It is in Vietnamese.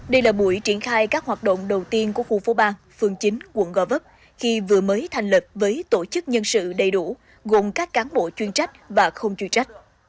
đây là buổi triển khai các hoạt động đầu tiên của khu phố ba phường chín quận gò vấp khi vừa mới thành lập với tổ chức nhân sự đầy đủ gồm các cán bộ chuyên trách và không chuyên trách